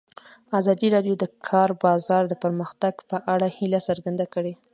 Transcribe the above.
ازادي راډیو د د کار بازار د پرمختګ په اړه هیله څرګنده کړې.